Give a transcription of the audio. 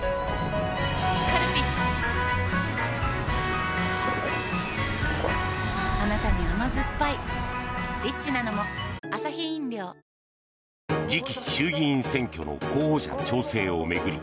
カルピスはぁあなたに甘ずっぱい次期衆議院選挙の候補者調整を巡り